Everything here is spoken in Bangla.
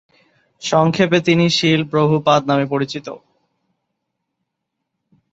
সংক্ষেপে তিনি শ্রীল প্রভুপাদ নামে পরিচিত।